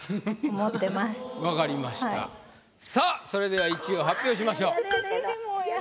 分かりましたさぁそれでは１位を発表しましょう。